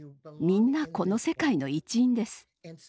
みんなこの世界の一員です。